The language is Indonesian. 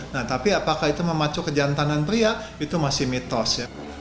nah tapi apakah itu memacu kejantanan pria itu masih mitos ya